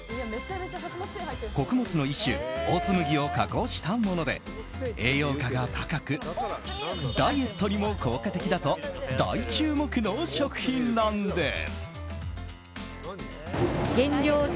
穀物の一種オーツ麦を加工したもので栄養価が高くダイエットにも効果的だと大注目の食品なんです。